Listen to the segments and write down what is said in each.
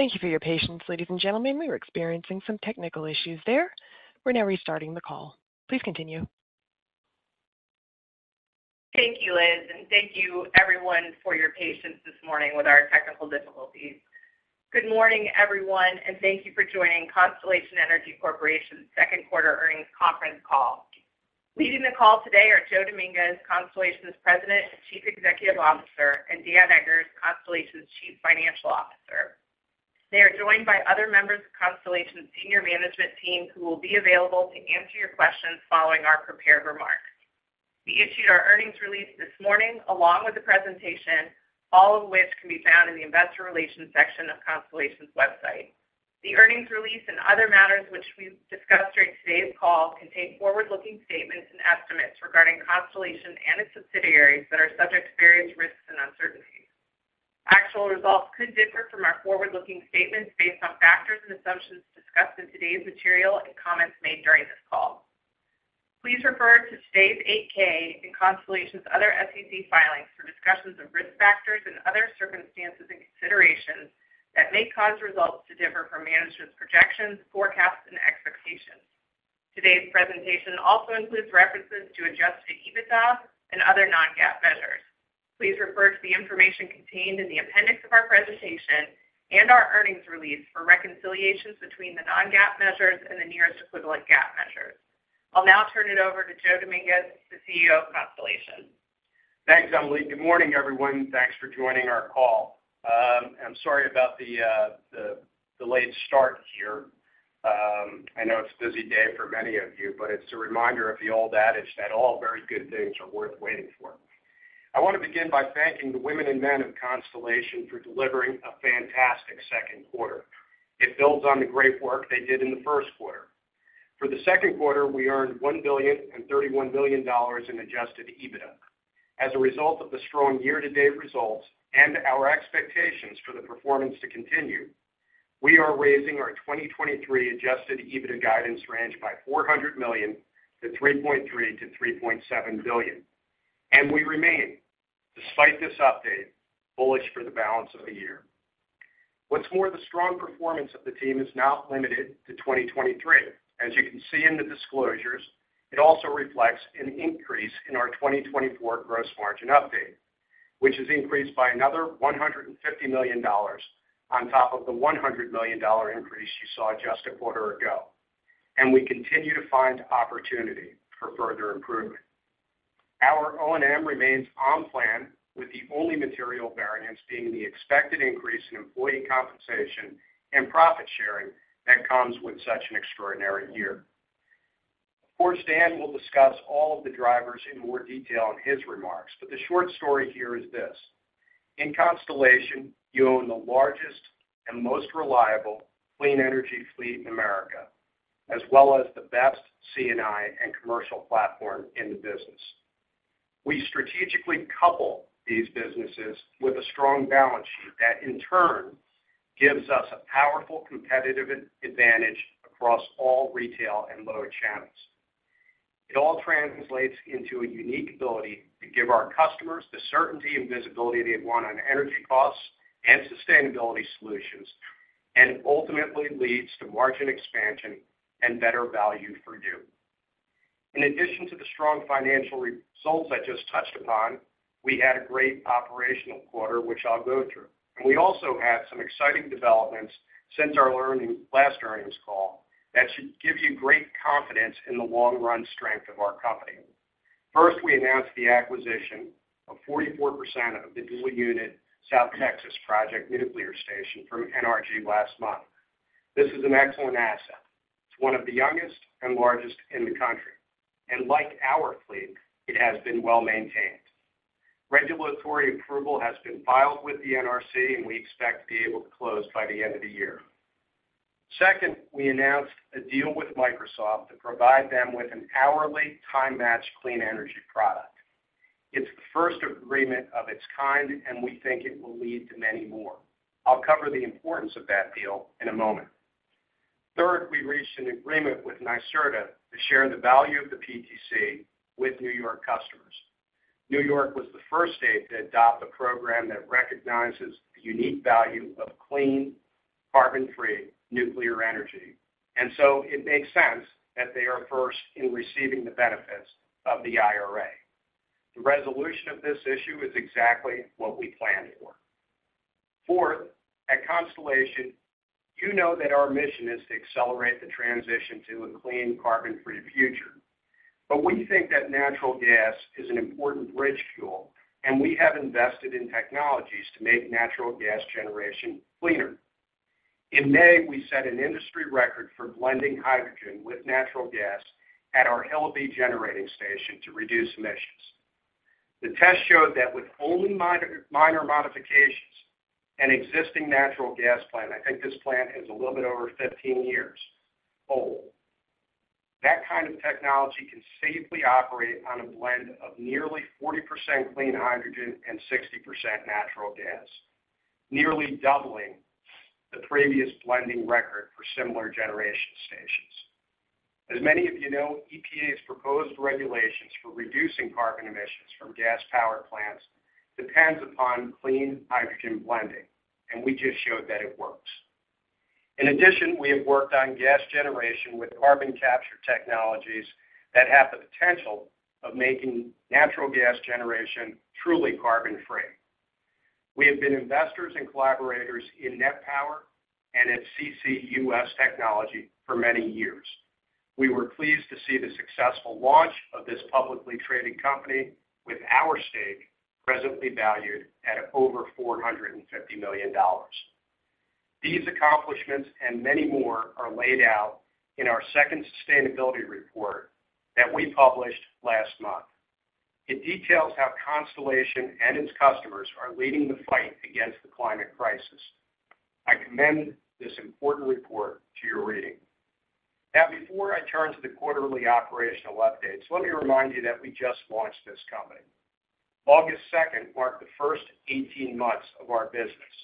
Thank you for your patience, ladies and gentlemen. We were experiencing some technical issues there. We're now restarting the call. Please continue. Thank you, Liz, and thank you everyone for your patience this morning with our technical difficulties. Good morning, everyone, and thank you for joining Constellation Energy Corporation's second quarter earnings conference call. Leading the call today are Joe Dominguez, Constellation's President and Chief Executive Officer, and Dan Eggers, Constellation's Chief Financial Officer. They are joined by other members of Constellation's senior management team, who will be available to answer your questions following our prepared remarks. We issued our earnings release this morning, along with the presentation, all of which can be found in the Investor Relations section of Constellation's website. The earnings release and other matters which we've discussed during today's call contain forward-looking statements and estimates regarding Constellation and its subsidiaries that are subject to various risks and uncertainties. Actual results could differ from our forward-looking statements based on factors and assumptions discussed in today's material and comments made during this call. Please refer to today's 8-K in Constellation's other SEC filings for discussions of risk factors and other circumstances and considerations that may cause results to differ from management's projections, forecasts, and expectations. Today's presentation also includes references to Adjusted EBITDA and other non-GAAP measures. Please refer to the information contained in the appendix of our presentation and our earnings release for reconciliations between the non-GAAP measures and the nearest equivalent GAAP measures. I'll now turn it over to Joe Dominguez, the CEO of Constellation. Thanks, Emily. Good morning, everyone. Thanks for joining our call. I'm sorry about the late start here. I know it's a busy day for many of you, it's a reminder of the old adage that all very good things are worth waiting for. I want to begin by thanking the women and men of Constellation for delivering a fantastic second quarter. It builds on the great work they did in the first quarter. For the second quarter, we earned $1.031 billion in adjusted EBITDA. As a result of the strong year-to-date results and our expectations for the performance to continue, we are raising our 2023 adjusted EBITDA guidance range by $400 million to $3.3 billion-$3.7 billion, we remain, despite this update, bullish for the balance of the year. What's more, the strong performance of the team is not limited to 2023. As you can see in the disclosures, it also reflects an increase in our 2024 gross margin update, which is increased by another $150 million on top of the $100 million increase you saw just a quarter ago. We continue to find opportunity for further improvement. Our O&M remains on plan, with the only material variance being the expected increase in employee compensation and profit sharing that comes with such an extraordinary year. Of course, Dan will discuss all of the drivers in more detail in his remarks. The short story here is this: In Constellation, you own the largest and most reliable clean energy fleet in America, as well as the best C&I and commercial platform in the business. We strategically couple these businesses with a strong balance sheet that, in turn, gives us a powerful competitive advantage across all retail and load channels. It all translates into a unique ability to give our customers the certainty and visibility they want on energy costs and sustainability solutions, and ultimately leads to margin expansion and better value for you. In addition to the strong financial results I just touched upon, we had a great operational quarter, which I'll go through, and we also had some exciting developments since our last earnings call, that should give you great confidence in the long run strength of our company. First, we announced the acquisition of 44% of the dual unit South Texas Project nuclear station from NRG last month. This is an excellent asset. It's one of the youngest and largest in the country, and like our fleet, it has been well-maintained. Regulatory approval has been filed with the NRC, and we expect to be able to close by the end of the year. Second, we announced a deal with Microsoft to provide them with an hourly time-match clean energy product. It's the first agreement of its kind, and we think it will lead to many more. I'll cover the importance of that deal in a moment. Third, we reached an agreement with NYSERDA to share the value of the PTC with New York customers. New York was the first state to adopt a program that recognizes the unique value of clean, carbon-free nuclear energy, and so it makes sense that they are first in receiving the benefits of the IRA. The resolution of this issue is exactly what we planned for. Fourth, at Constellation, you know that our mission is to accelerate the transition to a clean, carbon-free future. We think that natural gas is an important bridge fuel, and we have invested in technologies to make natural gas generation cleaner. In May, we set an industry record for blending hydrogen with natural gas at our Hillabee Generating Station to reduce emissions. The test showed that with only minor, minor modifications, an existing natural gas plant, I think this plant is a little bit over 15 years old. That kind of technology can safely operate on a blend of nearly 40% clean hydrogen and 60% natural gas, nearly doubling the previous blending record for similar generation stations. As many of you know, EPA's proposed regulations for reducing carbon emissions from gas-powered plants depends upon clean hydrogen blending, and we just showed that it works. In addition, we have worked on gas generation with carbon capture technologies that have the potential of making natural gas generation truly carbon-free. We have been investors and collaborators in NET Power and at CCUS Technology for many years. We were pleased to see the successful launch of this publicly traded company with our stake presently valued at over $450 million. These accomplishments and many more are laid out in our second sustainability report that we published last month. It details how Constellation and its customers are leading the fight against the climate crisis. I commend this important report to your reading. Now, before I turn to the quarterly operational updates, let me remind you that we just launched this company. August 2nd marked the first 18 months of our business,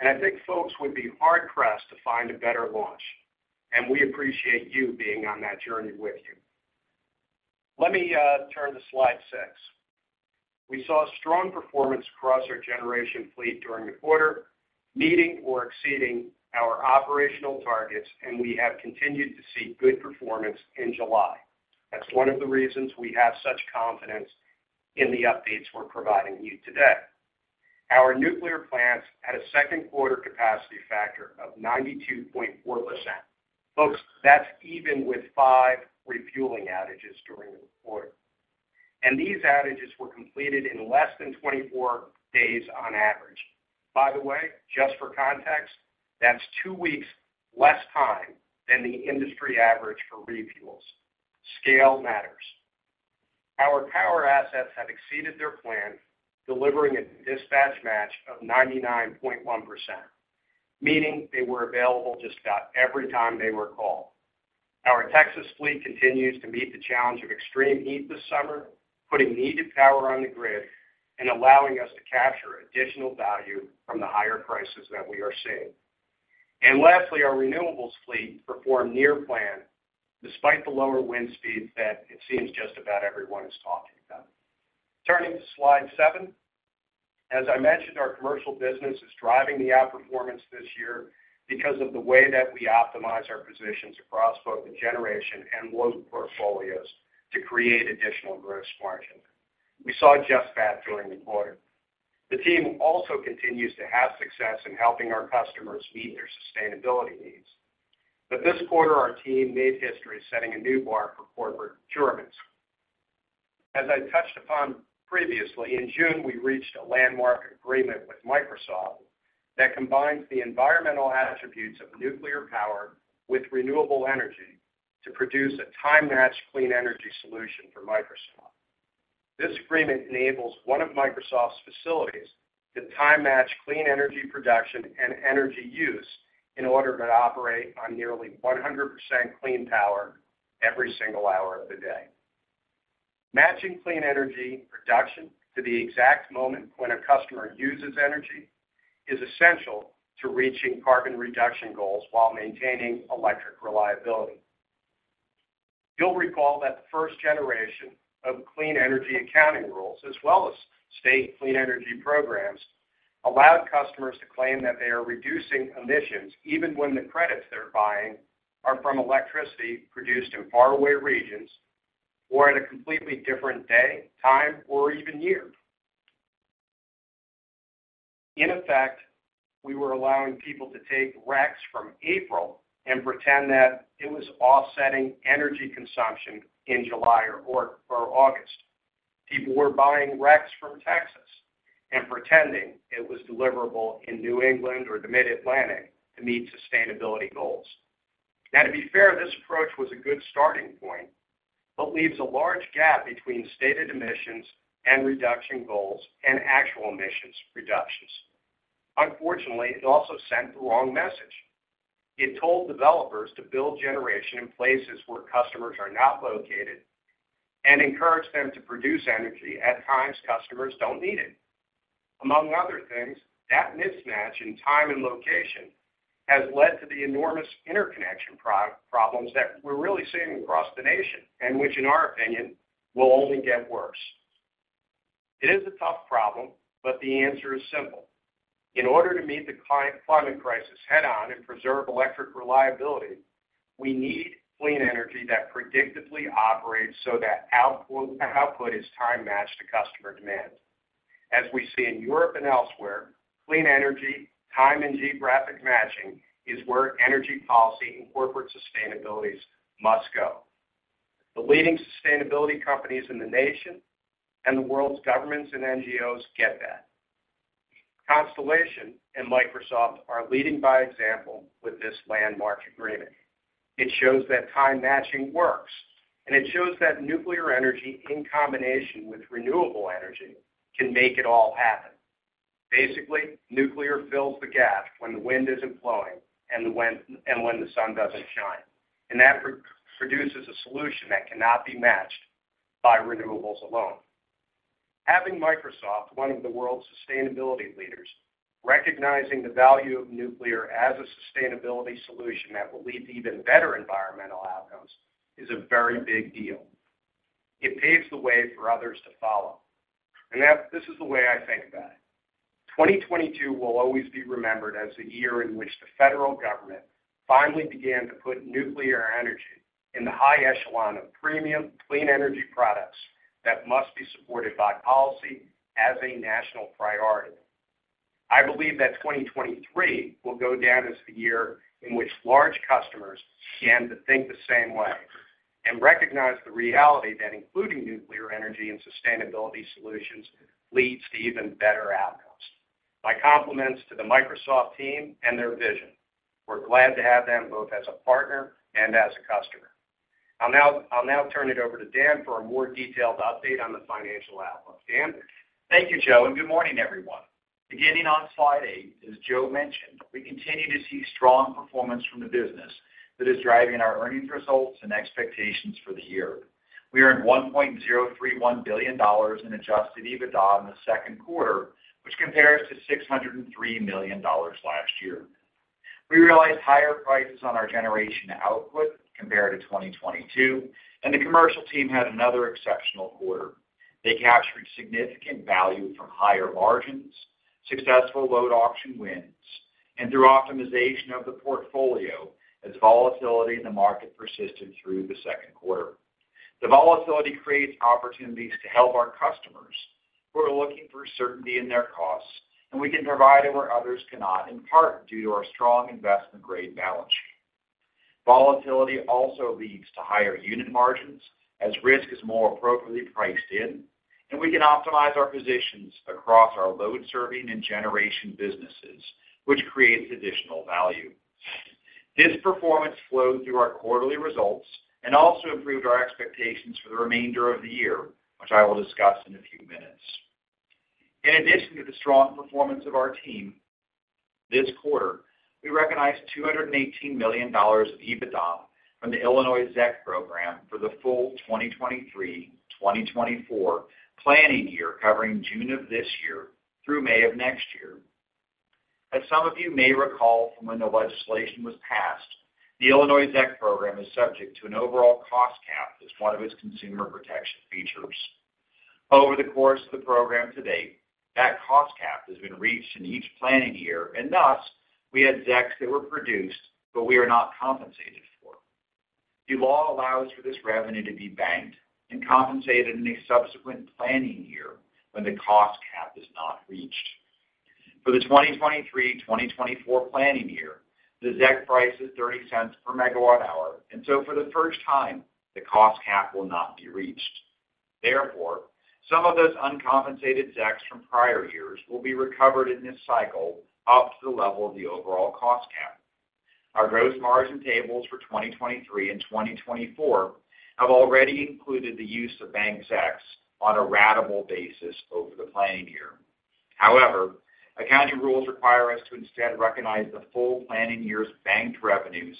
and I think folks would be hard-pressed to find a better launch, and we appreciate you being on that journey with you. Let me turn to slide six. We saw strong performance across our generation fleet during the quarter, meeting or exceeding our operational targets, and we have continued to see good performance in July. That's one of the reasons we have such confidence in the updates we're providing you today. Our nuclear plants had a second quarter capacity factor of 92.4%. Folks, that's even with five file refueling outages during the quarter. These outages were completed in less than 24 days on average. By the way, just for context, that's two weeks less time than the industry average for refuels. Scale matters. Our power assets have exceeded their plan, delivering a dispatch match of 99.1%, meaning they were available just about every time they were called. Our Texas fleet continues to meet the challenge of extreme heat this summer, putting needed power on the grid and allowing us to capture additional value from the higher prices that we are seeing. Lastly, our renewables fleet performed near plan despite the lower wind speeds that it seems just about everyone is talking about. Turning to slide seven. As I mentioned, our commercial business is driving the outperformance this year because of the way that we optimize our positions across both the generation and load portfolios to create additional gross margin. We saw just that during the quarter. The team also continues to have success in helping our customers meet their sustainability needs. This quarter, our team made history, setting a new bar for corporate procurements. As I touched upon previously, in June, we reached a landmark agreement with Microsoft that combines the environmental attributes of nuclear power with renewable energy to produce a time-matched clean energy solution for Microsoft. This agreement enables one of Microsoft's facilities to time-match clean energy production and energy use in order to operate on nearly 100% clean power every single hour of the day. Matching clean energy production to the exact moment when a customer uses energy is essential to reaching carbon reduction goals while maintaining electric reliability. You'll recall that the first generation of clean energy accounting rules, as well as state clean energy programs, allowed customers to claim that they are reducing emissions even when the credits they're buying are from electricity produced in faraway regions or at a completely different day, time, or even year. In effect, we were allowing people to take RECs from April and pretend that it was offsetting energy consumption in July or August. People were buying RECs from Texas and pretending it was deliverable in New England or the Mid-Atlantic to meet sustainability goals. To be fair, this approach was a good starting point, but leaves a large gap between stated emissions and reduction goals and actual emissions reductions. Unfortunately, it also sent the wrong message. It told developers to build generation in places where customers are not located and encouraged them to produce energy at times customers don't need it. Among other things, that mismatch in time and location has led to the enormous interconnection problems that we're really seeing across the nation, which, in our opinion, will only get worse. It is a tough problem, the answer is simple. In order to meet the climate crisis head-on and preserve electric reliability, we need clean energy that predictably operates so that output is time-matched to customer demand. As we see in Europe and elsewhere, clean energy, time and geographic matching is where energy policy and corporate sustainabilities must go. The leading sustainability companies in the nation and the world's governments and NGOs get that. Constellation and Microsoft are leading by example with this landmark agreement. It shows that time matching works, and it shows that nuclear energy, in combination with renewable energy, can make it all happen. Basically, nuclear fills the gap when the wind isn't blowing and when the sun doesn't shine, and that produces a solution that cannot be matched by renewables alone. Having Microsoft, one of the world's sustainability leaders, recognizing the value of nuclear as a sustainability solution that will lead to even better environmental outcomes, is a very big deal. It paves the way for others to follow. This is the way I think about it: 2022 will always be remembered as the year in which the federal government finally began to put nuclear energy in the high echelon of premium, clean energy products that must be supported by policy as a national priority. I believe that 2023 will go down as the year in which large customers began to think the same way and recognize the reality that including nuclear energy and sustainability solutions leads to even better outcomes. My compliments to the Microsoft team and their vision. We're glad to have them both as a partner and as a customer. I'll now, I'll now turn it over to Dan for a more detailed update on the financial outlook. Dan? Thank you, Joe. Good morning, everyone. Beginning on slide eight, as Joe mentioned, we continue to see strong performance from the business that is driving our earnings results and expectations for the year. We earned $1.031 billion in adjusted EBITDA in the second quarter, which compares to $603 million last year. We realized higher prices on our generation output compared to 2022. The commercial team had another exceptional quarter. They captured significant value from higher margins, successful load auction wins, and through optimization of the portfolio as volatility in the market persisted through the second quarter. The volatility creates opportunities to help our customers who are looking for certainty in their costs. We can provide it where others cannot, in part, due to our strong investment-grade balance sheet. Volatility also leads to higher unit margins as risk is more appropriately priced in, and we can optimize our positions across our load serving and generation businesses, which creates additional value. This performance flowed through our quarterly results and also improved our expectations for the remainder of the year, which I will discuss in a few minutes. In addition to the strong performance of our team this quarter, we recognized $218 million of EBITDA from the Illinois ZEC program for the full 2023/2024 planning year, covering June of this year through May of next year. As some of you may recall from when the legislation was passed, the Illinois ZEC program is subject to an overall cost cap as one of its consumer protection features. Over the course of the program to date, that cost cap has been reached in each planning year, thus, we had ZECs that were produced, but we are not compensated for. The law allows for this revenue to be banked and compensated in a subsequent planning year when the cost cap is not reached. For the 2023/2024 planning year, the ZEC price is $0.30 per megawatt-hour, so for the first time, the cost cap will not be reached. Therefore, some of those uncompensated ZECs from prior years will be recovered in this cycle up to the level of the overall cost cap. Our gross margin tables for 2023 and 2024 have already included the use of banked ZECs on a ratable basis over the planning year. However, accounting rules require us to instead recognize the full planning year's banked revenues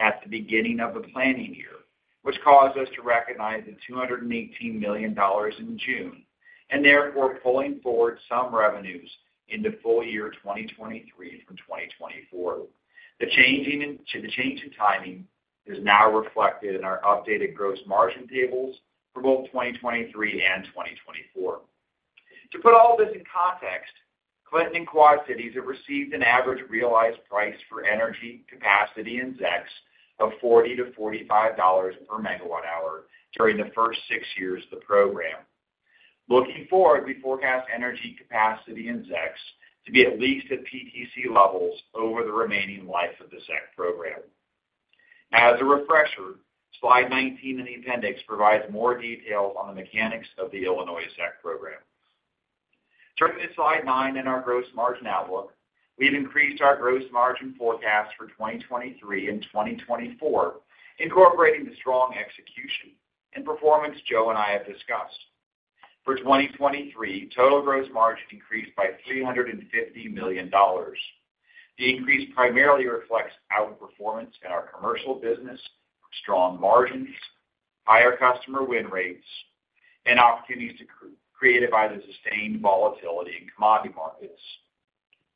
at the beginning of the planning year, which caused us to recognize the $218 million in June, and therefore pulling forward some revenues into full year 2023 from 2024. The change in timing is now reflected in our updated gross margin tables for both 2023 and 2024. To put all this in context, Clinton and Quad Cities have received an average realized price for energy, capacity, and ZECs of $40-$45 per megawatt-hour during the first six years of the program. Looking forward, we forecast energy capacity and ZECs to be at least at PTC levels over the remaining life of the ZEC program. As a refresher, slide 19 in the appendix provides more detail on the mechanics of the Illinois ZEC program. Turning to slide nine in our gross margin outlook, we've increased our gross margin forecast for 2023 and 2024, incorporating the strong execution and performance Joe and I have discussed. For 2023, total gross margin increased by $350 million. The increase primarily reflects outperformance in our commercial business, strong margins, higher customer win rates, and opportunities created by the sustained volatility in commodity markets.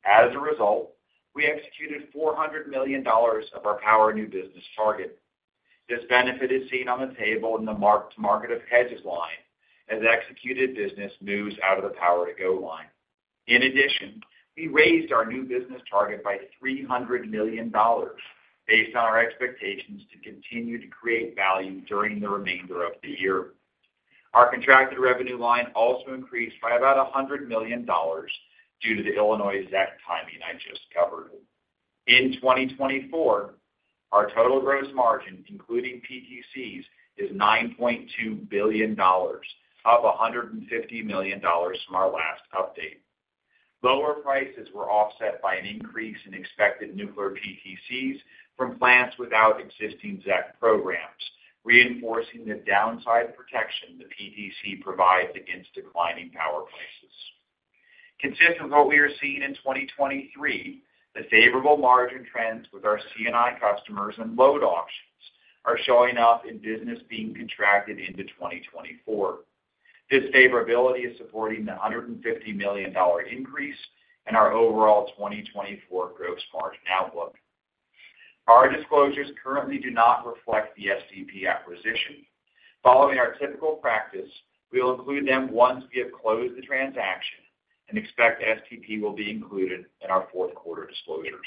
As a result, we executed $400 million of our power new business target. This benefit is seen on the table in the mark-to-market of hedges line, as executed business moves out of the power to-go line. In addition, we raised our new business target by $300 million based on our expectations to continue to create value during the remainder of the year. Our contracted revenue line also increased by about $100 million due to the Illinois ZEC timing I just covered. In 2024, our total gross margin, including PTCs, is $9.2 billion, up $150 million from our last update. Lower prices were offset by an increase in expected nuclear PTCs from plants without existing ZEC programs, reinforcing the downside protection the PTC provides against declining power prices. Consistent with what we are seeing in 2023, the favorable margin trends with our C&I customers and load auctions are showing up in business being contracted into 2024. This favorability is supporting the $150 million increase in our overall 2024 gross margin outlook. Our disclosures currently do not reflect the STP acquisition. Following our typical practice, we will include them once we have closed the transaction and expect STP will be included in our fourth quarter disclosures.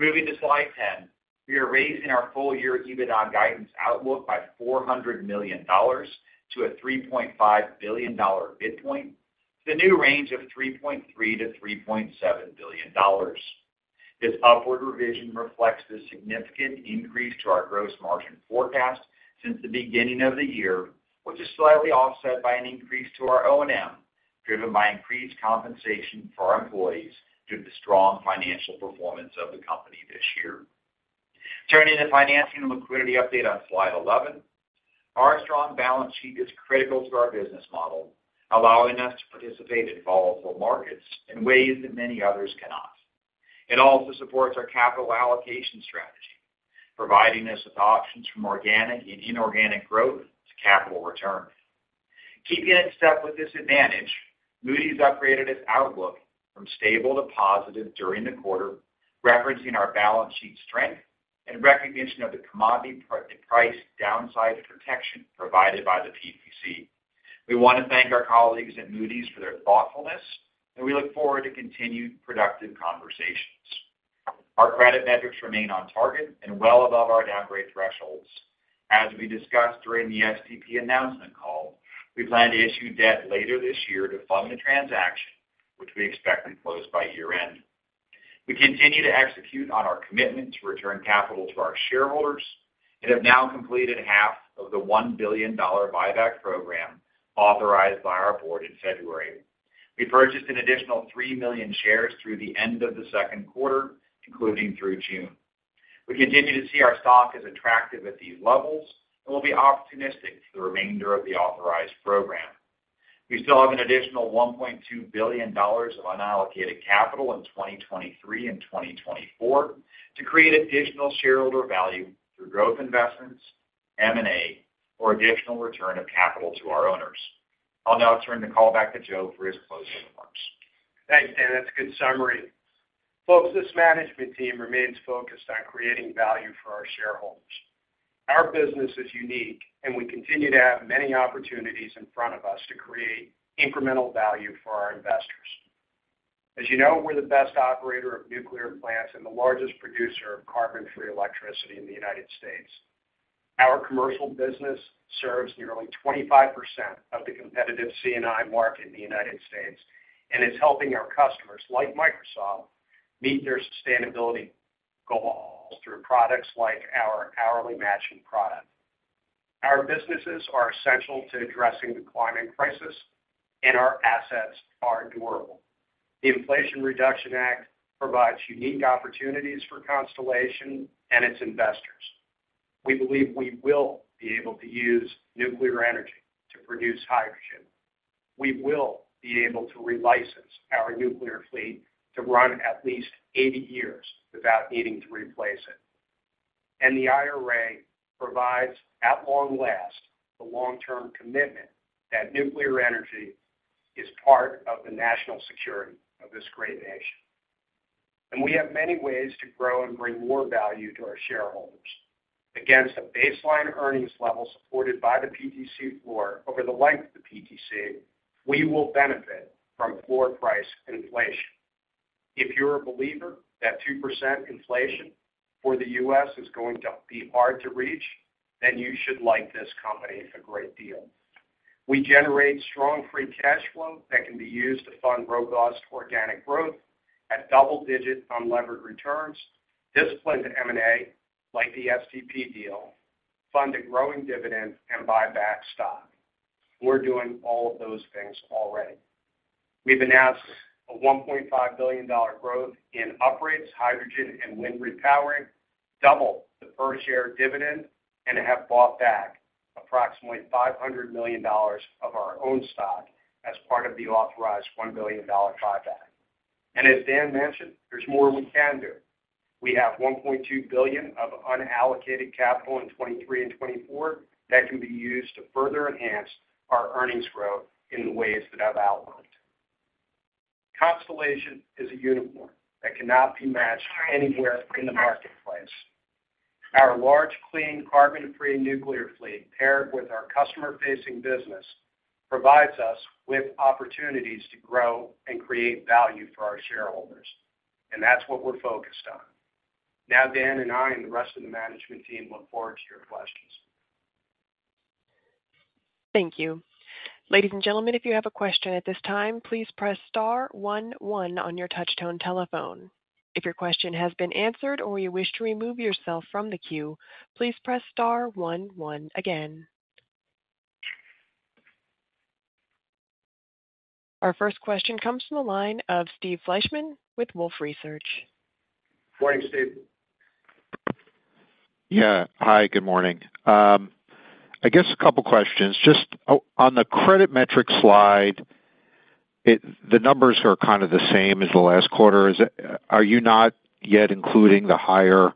Moving to slide 10. We are raising our full-year EBITDA guidance outlook by $400 million to a $3.5 billion midpoint to the new range of $3.3 billion-$3.7 billion. This upward revision reflects the significant increase to our gross margin forecast since the beginning of the year, which is slightly offset by an increase to our O&M, driven by increased compensation for our employees due to the strong financial performance of the company this year. Turning to financing and liquidity update on slide 11. Our strong balance sheet is critical to our business model, allowing us to participate in volatile markets in ways that many others cannot. It also supports our capital allocation strategy, providing us with options from organic and inorganic growth to capital returns. Keeping in step with this advantage, Moody's upgraded its outlook from stable to positive during the quarter, referencing our balance sheet strength and recognition of the commodity the price downside protection provided by the PTC. We want to thank our colleagues at Moody's for their thoughtfulness. We look forward to continued productive conversations. Our credit metrics remain on target and well above our downgrade thresholds. As we discussed during the STP announcement call, we plan to issue debt later this year to fund the transaction, which we expect to close by year-end. We continue to execute on our commitment to return capital to our shareholders and have now completed half of the $1 billion buyback program authorized by our board in February. We purchased an additional three million shares through the end of the second quarter, including through June. We continue to see our stock as attractive at these levels and will be opportunistic for the remainder of the authorized program. We still have an additional $1.2 billion of unallocated capital in 2023 and 2024 to create additional shareholder value through growth investments, M&A, or additional return of capital to our owners. I'll now turn the call back to Joe for his closing remarks. Thanks, Dan. That's a good summary. Folks, this management team remains focused on creating value for our shareholders. Our business is unique, and we continue to have many opportunities in front of us to create incremental value for our investors. As you know, we're the best operator of nuclear plants and the largest producer of carbon-free electricity in the United States. Our commercial business serves nearly 25% of the competitive C&I market in the United States, and is helping our customers, like Microsoft, meet their sustainability goals through products like our hourly matching product. Our businesses are essential to addressing the climate crisis, and our assets are durable. The Inflation Reduction Act provides unique opportunities for Constellation and its investors. We believe we will be able to use nuclear energy to produce hydrogen. We will be able to relicense our nuclear fleet to run at least 80 years without needing to replace it. The IRA provides, at long last, the long-term commitment that nuclear energy is part of the national security of this great nation. We have many ways to grow and bring more value to our shareholders. Against a baseline earnings level supported by the PTC floor, over the life of the PTC, we will benefit from floor price inflation. If you're a believer that 2% inflation for the U.S. is going to be hard to reach, then you should like this company a great deal. We generate strong free cash flow that can be used to fund robust organic growth at double-digit unlevered returns, disciplined M&A, like the STP deal, fund a growing dividend, and buy back stock. We're doing all of those things already. We've announced a $1.5 billion growth in upgrades, hydrogen, and wind repowering, double the per-share dividend, and have bought back approximately $500 million of our own stock as part of the authorized $1 billion buyback. As Dan mentioned, there's more we can do. We have $1.2 billion of unallocated capital in 2023 and 2024 that can be used to further enhance our earnings growth in the ways that I've outlined. Constellation is a unicorn that cannot be matched anywhere in the marketplace. Our large, clean, carbon-free nuclear fleet, paired with our customer-facing business, provides us with opportunities to grow and create value for our shareholders, and that's what we're focused on. Dan and I, and the rest of the management team, look forward to your questions. Thank you. Ladies and gentlemen, if you have a question at this time, please press star one one on your touchtone telephone. If your question has been answered or you wish to remove yourself from the queue, please press star one one again. Our first question comes from the line of Steve Fleishman with Wolfe Research. Morning, Steve. Yeah. Hi, good morning. I guess a couple questions. Just on the credit metric slide, the numbers are kind of the same as the last quarter. Are you not yet including the higher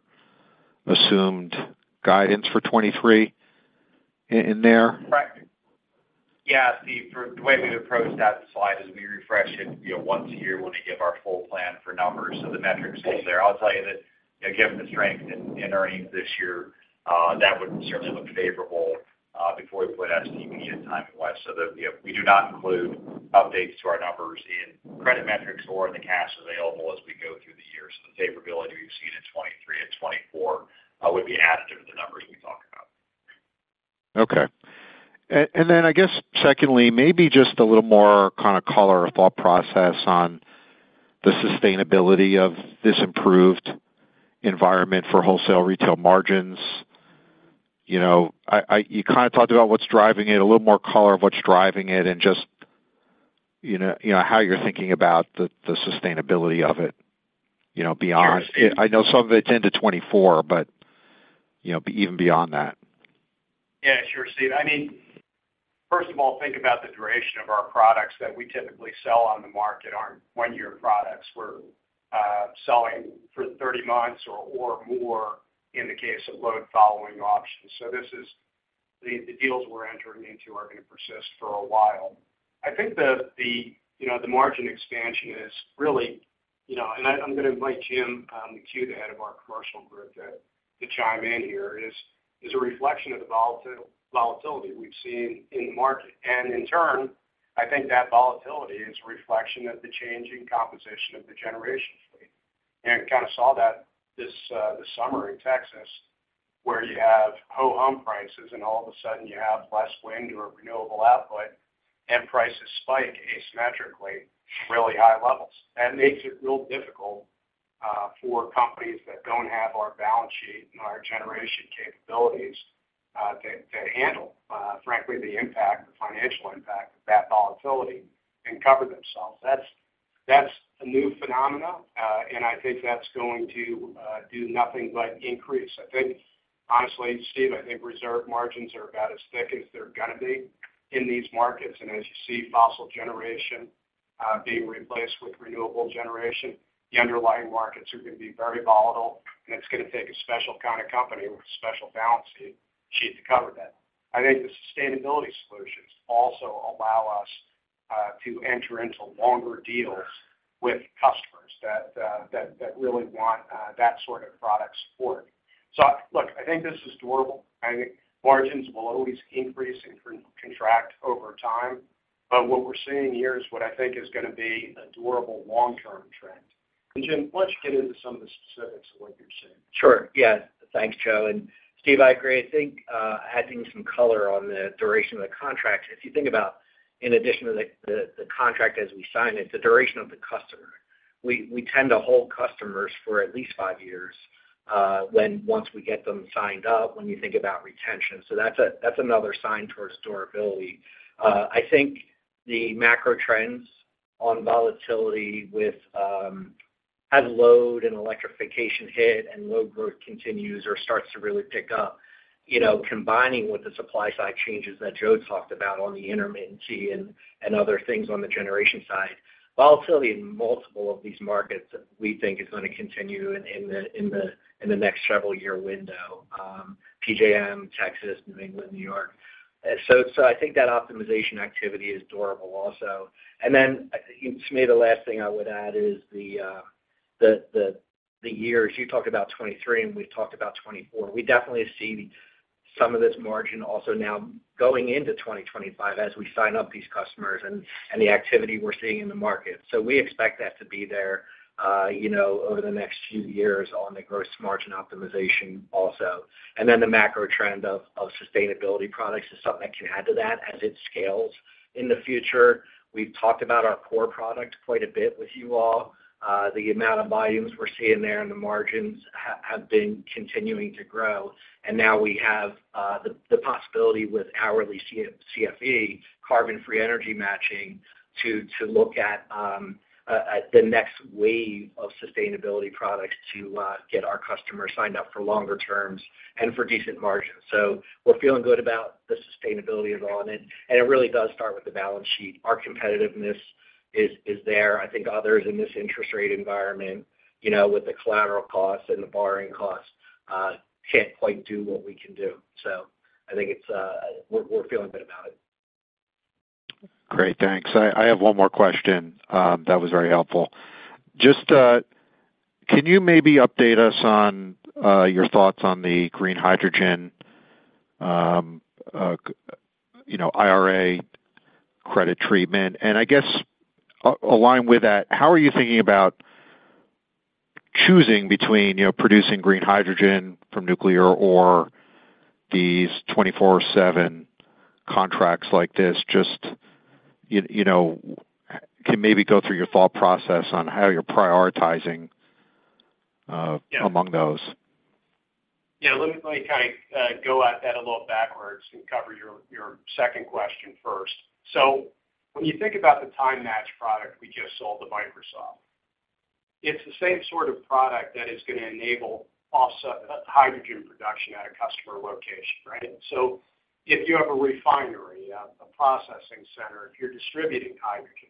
assumed guidance for 2023 in there? Right. Yeah, Steve, for the way we've approached that slide is we refresh it, you know, once a year when we give our full plan for numbers. The metrics stay there. I'll tell you that, you know, given the strength in, in earnings this year, that would certainly look favorable before we put out any timing-wise, so that, you know. We do not include updates to our numbers in credit metrics or in the cash available as we go through the year. The favorability we've seen in 2023 and 2024 would be added to the numbers we talk about. Okay. I guess secondly, maybe just a little more kind of color or thought process on the sustainability of this improved environment for wholesale retail margins. You know, you kind of talked about what's driving it, a little more color of what's driving it and just, you know, you know, how you're thinking about the, the sustainability of it, you know, beyond- Sure. I know some of it's into 2024, but, you know, even beyond that. Yeah, sure, Steve. I mean, first of all, think about the duration of our products that we typically sell on the market aren't one-year products. We're selling for 30 months or more in the case of load-following options. The deals we're entering into are going to persist for a while. I think, you know, the margin expansion is really, you know. I'm going to invite Jim McHugh, the head of our commercial group, to chime in here, is a reflection of the volatility we've seen in the market. In turn, I think that volatility is a reflection of the changing composition of the generation fleet. Kind of saw that this, this summer in Texas, where you have ho-hum prices, and all of a sudden you have less wind or renewable output, and prices spike asymmetrically, really high levels. That makes it real difficult, for companies that don't have our balance sheet and our generation capabilities, to, to handle, frankly, the impact, the financial impact of that volatility and cover themselves. That's, that's a new phenomena, and I think that's going to, do nothing but increase. I think, honestly, Steve, I think reserve margins are about as thick as they're going to be in these markets. As you see fossil generation, being replaced with renewable generation, the underlying markets are going to be very volatile, and it's going to take a special kind of company with a special balance sheet to cover that. I think the sustainability solutions also allow us to enter into longer deals with customers that, that, that really want that sort of product support. Look, I think this is durable. I think margins will always increase and contract over time. What we're seeing here is what I think is going to be a durable long-term trend. Jim, why don't you get into some of the specifics of what you're seeing? Sure. Yeah. Thanks, Joe. Steve, I agree. I think adding some color on the duration of the contract, if you think about in addition to the contract as we sign it, the duration of the customer, we, we tend to hold customers for at least five years, once we get them signed up, when you think about retention. So that's another sign towards durability. I think the macro trends on volatility with as load and electrification hit and load growth continues or starts to really pick up, you know, combining with the supply side changes that Joe talked about on the intermittency and, and other things on the generation side, volatility in multiple of these markets, we think is going to continue in the, in the, in the next several-year window, PJM, Texas, New England, New York. I think that optimization activity is durable also. Then, Steve, the last thing I would add is the, the, the, the years, you talked about 2023, and we've talked about 2024. We definitely see some of this margin also now going into 2025 as we sign up these customers and, and the activity we're seeing in the market. We expect that to be there, you know, over the next few years on the gross margin optimization also. Then the macro trend of, of sustainability products is something that can add to that as it scales in the future. We've talked about our core product quite a bit with you all. The amount of volumes we're seeing there and the margins have been continuing to grow. Now we have the possibility with hourly CFE, carbon free energy matching, to look at the next wave of sustainability products to get our customers signed up for longer terms and for decent margins. We're feeling good about the sustainability of it all, and it really does start with the balance sheet. Our competitiveness is there. I think others in this interest rate environment, you know, with the collateral costs and the borrowing costs, can't quite do what we can do. I think it's. We're, we're feeling good about it. Great, thanks. I, I have one more question, that was very helpful. Just, can you maybe update us on your thoughts on the green hydrogen, you know, IRA credit treatment? I guess, a-align with that, how are you thinking about choosing between, you know, producing green hydrogen from nuclear or these 24/7 contracts like this? Just, you, you know, can maybe go through your thought process on how you're prioritizing. Yeah. Among those. Yeah, let me kind of go at that a little backwards and cover your, your second question first. When you think about the time match product we just sold to Microsoft-... It's the same sort of product that is going to enable also hydrogen production at a customer location, right? If you have a refinery, a, a processing center, if you're distributing hydrogen,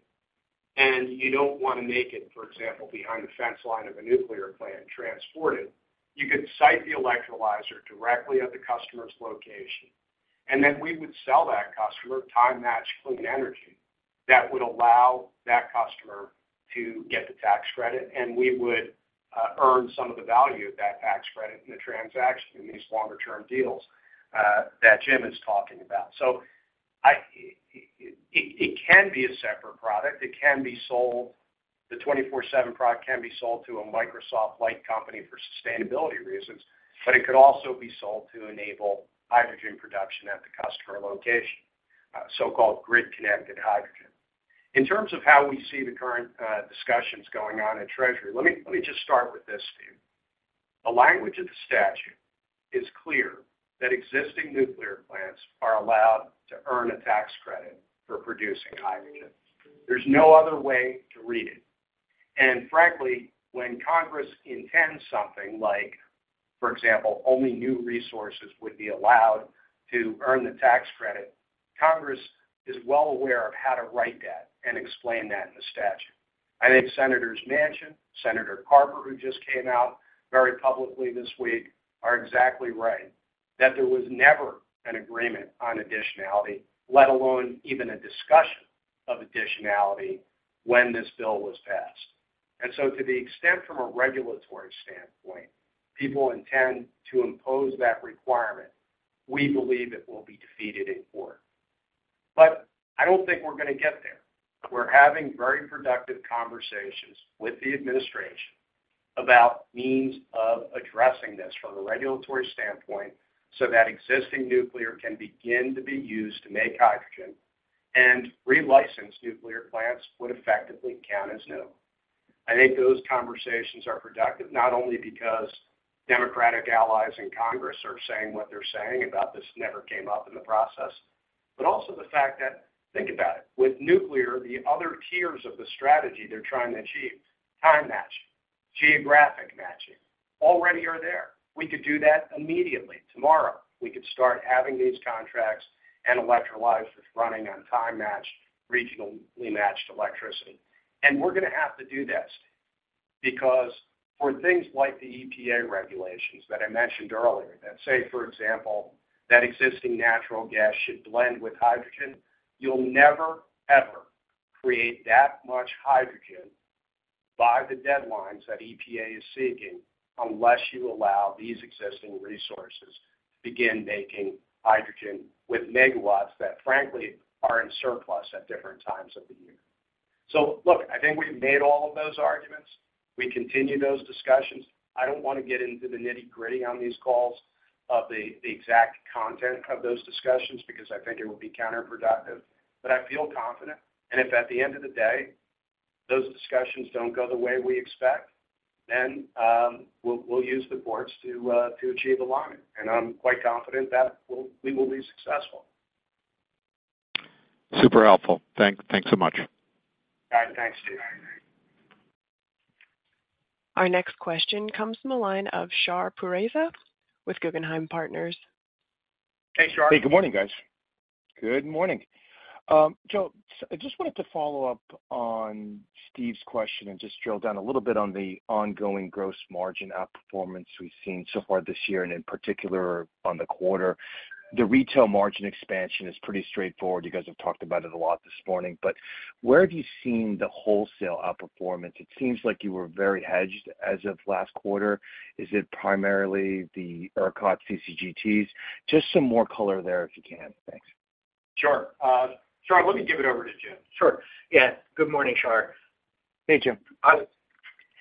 and you don't want to make it, for example, behind the fence line of a nuclear plant and transport it, you could site the electrolyzer directly at the customer's location, and then we would sell that customer time-matched clean energy that would allow that customer to get the tax credit, and we would earn some of the value of that tax credit in the transaction in these longer-term deals that Jim is talking about. It can be a separate product. The 24/7 product can be sold to a Microsoft-like company for sustainability reasons, but it could also be sold to enable hydrogen production at the customer location, so-called grid-connected hydrogen. In terms of how we see the current discussions going on in Treasury, let me, let me just start with this, Steve. The language of the statute is clear that existing nuclear plants are allowed to earn a tax credit for producing hydrogen. There's no other way to read it. Frankly, when Congress intends something like, for example, only new resources would be allowed to earn the tax credit, Congress is well aware of how to write that and explain that in the statute. I think Senators Manchin, Senator Carper, who just came out very publicly this week, are exactly right, that there was never an agreement on additionality, let alone even a discussion of additionality when this bill was passed. To the extent from a regulatory standpoint, people intend to impose that requirement, we believe it will be defeated in court. I don't think we're going to get there. We're having very productive conversations with the Administration about means of addressing this from a regulatory standpoint so that existing nuclear can begin to be used to make hydrogen and relicense nuclear plants would effectively count as new. I think those conversations are productive not only because Democratic allies in Congress are saying what they're saying about this never came up in the process, but also the fact that, think about it, with nuclear, the other tiers of the strategy they're trying to achieve, time matching, geographic matching, already are there. We could do that immediately. Tomorrow, we could start having these contracts and electrolyzers running on time-matched, regionally matched electricity. We're going to have to do this, because for things like the EPA regulations that I mentioned earlier, that say, for example, that existing natural gas should blend with hydrogen, you'll never, ever create that much hydrogen by the deadlines that EPA is seeking unless you allow these existing resources to begin making hydrogen with megawatts that, frankly, are in surplus at different times of the year. Look, I think we've made all of those arguments. We continue those discussions. I don't want to get into the nitty-gritty on these calls of the, the exact content of those discussions because I think it would be counterproductive. I feel confident, and if at the end of the day, those discussions don't go the way we expect, then, we'll, we'll use the courts to achieve alignment, and I'm quite confident that we will be successful. Super helpful. Thank, thanks so much. All right, thanks, Steve. Our next question comes from the line of Shar Pourreza with Guggenheim Securities. Hey, Shar. Hey, good morning, guys. Good morning. I just wanted to follow up on Steve's question and just drill down a little bit on the ongoing gross margin outperformance we've seen so far this year, and in particular, on the quarter. The retail margin expansion is pretty straightforward. You guys have talked about it a lot this morning, where have you seen the wholesale outperformance? It seems like you were very hedged as of last quarter. Is it primarily the ERCOT CCGTs? Just some more color there, if you can. Thanks. Sure. Shar, let me give it over to Jim. Sure. Yeah. Good morning, Shar. Hey, Jim.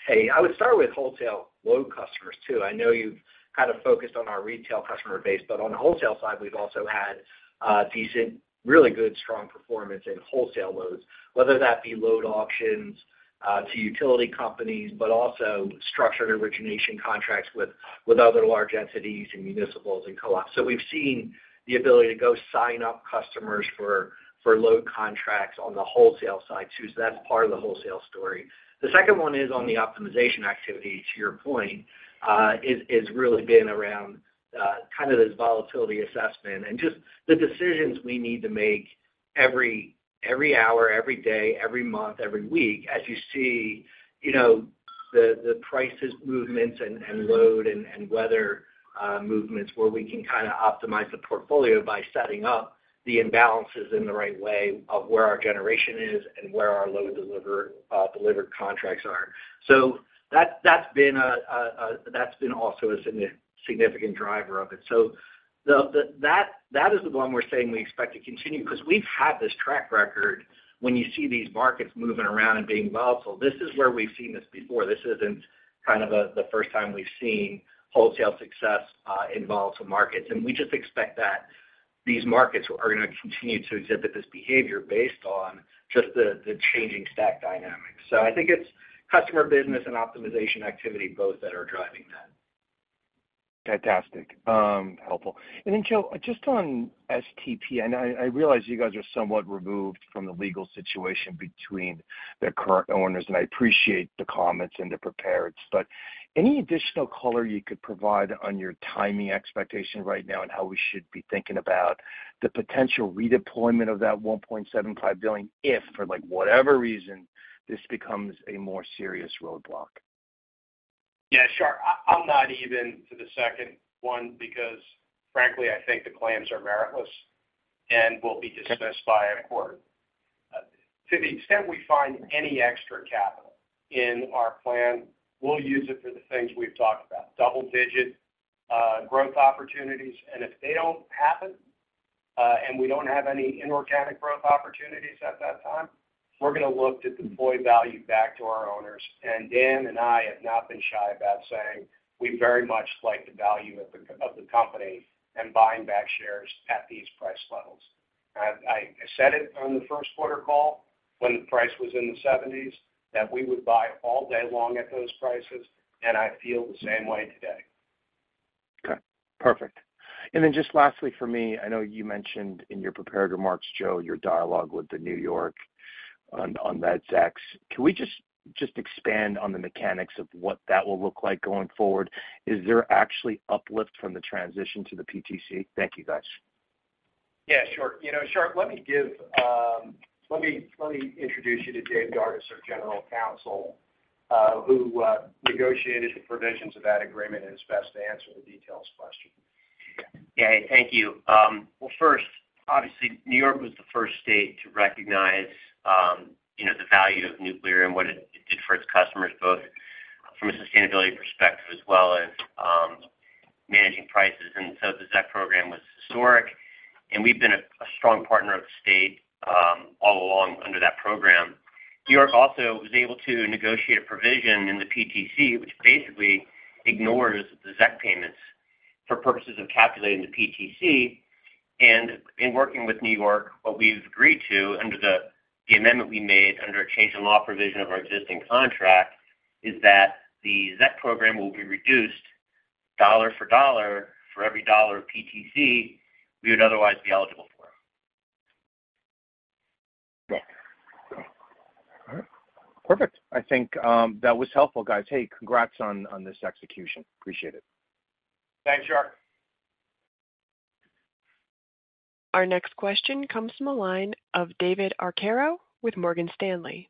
Hey, I would start with wholesale load customers, too. I know you've kind of focused on our retail customer base, but on the wholesale side, we've also had decent, really good, strong performance in wholesale loads, whether that be load auctions to utility companies, but also structured origination contracts with other large entities and municipals and co-ops. We've seen the ability to go sign up customers for load contracts on the wholesale side, too. That's part of the wholesale story. The second one is on the optimization activity, to your point, it's, it's really been around, kind of this volatility assessment and just the decisions we need to make every, every hour, every day, every month, every week, as you see, you know, the, the prices, movements, and, and load and, and weather, movements, where we can kinda optimize the portfolio by setting up the imbalances in the right way of where our generation is and where our load deliver, delivered contracts are. That, that's been a, a, that's been also a significant driver of it. The, that is the one we're saying we expect to continue because we've had this track record when you see these markets moving around and being volatile. This is where we've seen this before. This isn't kind of, the first time we've seen wholesale success, in volatile markets. We just expect that these markets are going to continue to exhibit this behavior based on just the changing stack dynamics. I think it's customer business and optimization activity, both that are driving that. Fantastic. Helpful. Then, Joe, just on STP, and I, I realize you guys are somewhat removed from the legal situation between the current owners, and I appreciate the comments in the prepared. Any additional color you could provide on your timing expectation right now and how we should be thinking about the potential redeployment of that $1.75 billion if, for like whatever reason, this becomes a more serious roadblock? Yeah, sure. I, I'm not even to the second one because, frankly, I think the claims are meritless and will be dismissed by a court. To the extent we find any extra capital in our plan, we'll use it for the things we've talked about, double-digit growth opportunities. If they don't happen, and we don't have any inorganic growth opportunities at that time, we're going to look to deploy value back to our owners. Dan and I have not been shy about saying we very much like the value of the company and buying back shares at these price levels. I, I said it on the first quarter call when the price was in the $70s, that we would buy all day long at those prices, and I feel the same way today. Okay, perfect. Then just lastly for me, I know you mentioned in your prepared remarks, Joe, your dialogue with the New York on that ZEC. Can we just expand on the mechanics of what that will look like going forward? Is there actually uplift from the transition to the PTC? Thank you, guys. Yeah, sure. You know, Shar, let me give, let me, let me introduce you to Dave Dardis, our General Counsel, who negotiated the provisions of that agreement, and is best to answer the details question. Yeah, thank you. Well, first, obviously, New York was the first state to recognize, you know, the value of nuclear and what it did for its customers, both from a sustainability perspective as well as managing prices. So the ZEC program was historic, and we've been a strong partner of the state all along under that program. New York also was able to negotiate a provision in the PTC, which basically ignores the ZEC payments for purposes of calculating the PTC. In working with New York, what we've agreed to under the amendment we made under a change in law provision of our existing contract, is that the ZEC program will be reduced dollar for dollar for every dollar of PTC we would otherwise be eligible for. Okay. All right. Perfect. I think that was helpful, guys. Hey, congrats on, on this execution. Appreciate it. Thanks, Shar. Our next question comes from the line of David Arcaro with Morgan Stanley.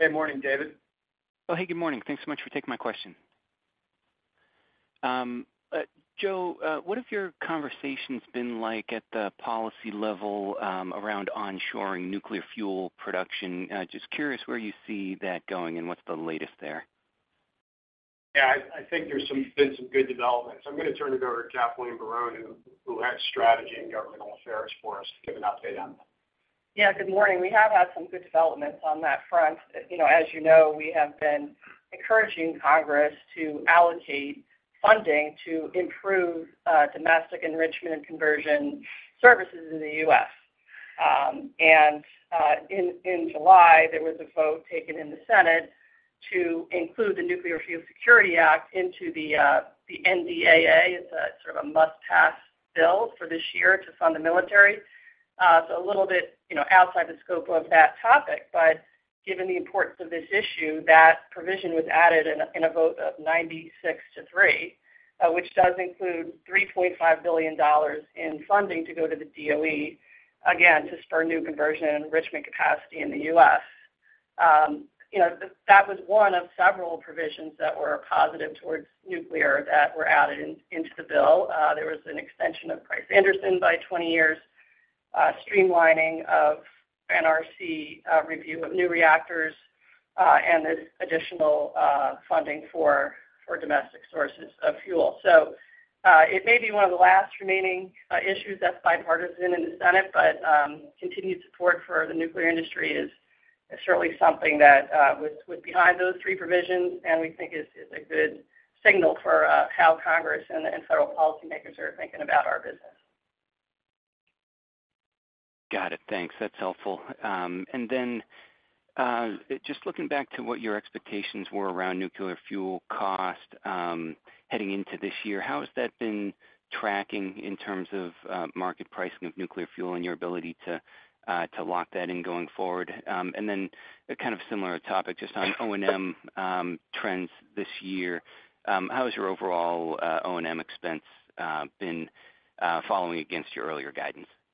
Good morning, David. Oh, hey, good morning. Thanks so much for taking my question. Joe, what have your conversations been like at the policy level, around onshoring nuclear fuel production? Just curious where you see that going and what's the latest there? Yeah, I, I think there's some, been some good developments. I'm going to turn it over to Kathleen Barrón, who, who heads Strategy and Governmental Affairs for us, to give an update on that. Yeah, good morning. We have had some good developments on that front. You know, as you know, we have been encouraging Congress to allocate funding to improve domestic enrichment and conversion services in the U.S. In July, there was a vote taken in the Senate to include the Nuclear Fuel Security Act into the NDAA. It's a sort of a must-pass bill for this year to fund the military. A little bit, you know, outside the scope of that topic, but given the importance of this issue, that provision was added in a vote of 96 to three, which does include $3.5 billion in funding to go to the DOE, again, to spur new conversion and enrichment capacity in the U.S.. You know, that was one of several provisions that were positive towards nuclear that were added in, into the bill. There was an extension of Price-Anderson by 20 years, streamlining of NRC review of new reactors, and additional funding for domestic sources of fuel. It may be one of the last remaining issues that's bipartisan in the Senate, but continued support for the nuclear industry is certainly something that was behind those three provisions, and we think is a good signal for how Congress and federal policymakers are thinking about our business. Got it. Thanks. That's helpful. Just looking back to what your expectations were around nuclear fuel cost heading into this year, how has that been tracking in terms of market pricing of nuclear fuel and your ability to lock that in going forward? A kind of similar topic, just on O&M trends this year. How has your overall O&M expense been following against your earlier guidance?